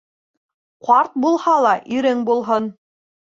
Ҡарт булһа ла ирең булһын